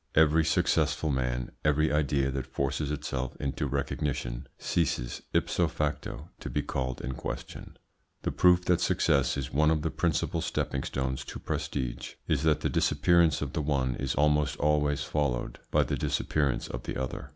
Every successful man, every idea that forces itself into recognition, ceases, ipso facto, to be called in question. The proof that success is one of the principal stepping stones to prestige is that the disappearance of the one is almost always followed by the disappearance of the other.